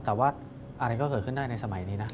แต่ว่าอะไรก็เกิดขึ้นได้ในสมัยนี้นะ